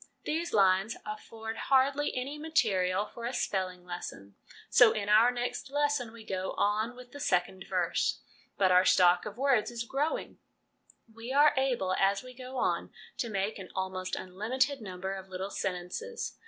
These lines afford hardly any material for a spelling lesson, so in our next lesson we go on with the second verse. But our stock of words is growing; we are able, as we go on, to make an almost unlimited number of little sentences.